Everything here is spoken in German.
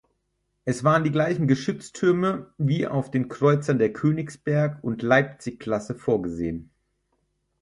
Es waren die gleichen Geschütztürme wie auf den Kreuzern der "Königsberg-" und "Leipzig"-Klasse vorgesehen.